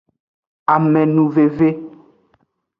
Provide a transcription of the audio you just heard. Amenuveve.